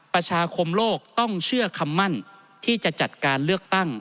ประชาคมโลกต้องเชื่อคำมั่นที่จะจัดการเลือกตั้ง